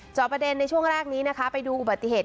จอบประเด็นในช่วงแรกนี้นะคะไปดูอุบัติเหตุ